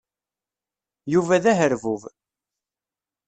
Yuba d aherbub.